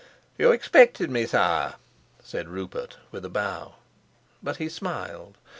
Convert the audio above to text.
"You expected me, sire?" said Rupert with a bow; but he smiled.